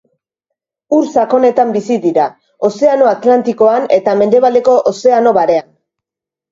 Ur sakonetan bizi dira, Ozeano Atlantikoan eta mendebaldeko Ozeano Barean.